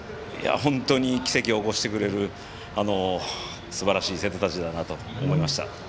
本当に奇跡を起こしてくれる、すばらしい生徒たちだなと思いました。